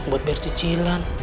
buat biar cicilan